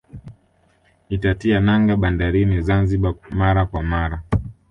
Itatia nanga bandarini Zanzibar mara kwa mara